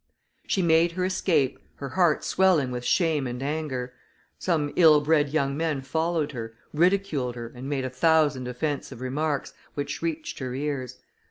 She made her escape, her heart swelling with shame and anger. Some ill bred young men followed her, ridiculed her, and made a thousand offensive remarks, which reached her ears.